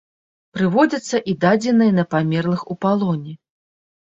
Прыводзяцца і дадзеныя на памерлых у палоне.